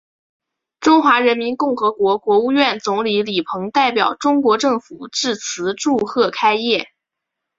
中华人民共和国国务院总理李鹏代表中国政府致词祝贺开业。